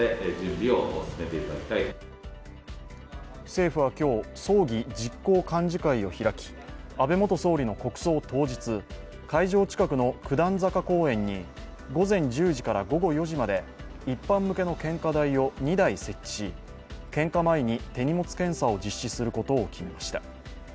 政府は今日、葬儀実行幹事会を開き、安倍元総理の国葬当日会場近くの九段坂公園に午前１０時から午後４時まで一般向けの献花台を２台設置し献花前に、手荷物検査を実施することを決めました。